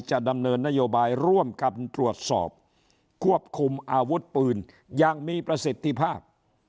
ดำเนินนโยบายร่วมกันตรวจสอบควบคุมอาวุธปืนอย่างมีประสิทธิภาพ